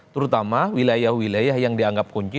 terutama wilayah wilayah yang dianggap kunci